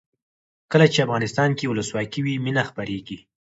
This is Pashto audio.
کله چې افغانستان کې ولسواکي وي مینه خپریږي.